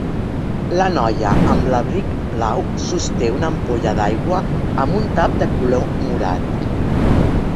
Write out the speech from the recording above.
La noia amb l'abric blau sosté una ampolla d'aigua amb un tap de color morat.